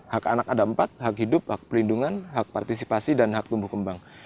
hak anak ada empat hak hidup hak perlindungan hak partisipasi dan hak tumbuh kembang